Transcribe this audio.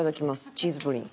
チーズプリン。